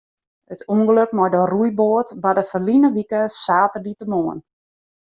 It ûngelok mei de roeiboat barde ferline wike saterdeitemoarn.